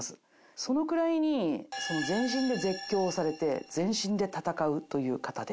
そのくらいに全身で絶叫をされて全身で戦うという方で。